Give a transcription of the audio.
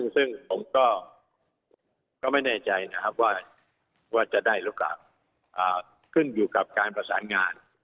ซึ่งผมก็ไม่แน่ใจนะครับว่าจะได้โอกาสขึ้นอยู่กับการประสานงาน